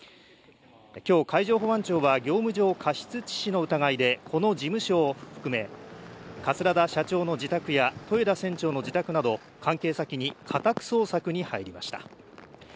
きょう、海上保安庁は業務上過失致死の疑いで、この事務所を含め、桂田社長の自宅や、豊田船長の自宅など、関係先に家宅捜索に入りました。